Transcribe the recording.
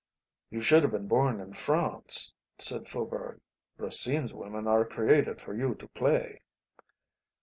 "You should have been born in France," said Faubourg, "Racine's women are created for you to play."